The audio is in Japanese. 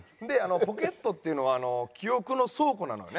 ポケットっていうのは記憶の倉庫なのよね。